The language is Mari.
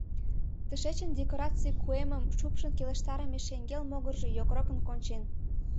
Тышечын декораций куэмым шупшын келыштарыме шеҥгел могыржо йокрокын кончен.